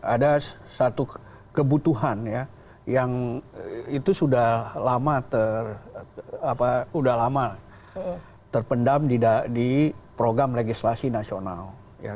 ada satu kebutuhan yang itu sudah lama terpendam di program legislasi nasional